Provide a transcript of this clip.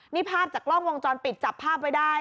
นี่ภาพจากกล้องวงจรปิดจับภาพไว้ได้